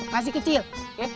masih kecil ya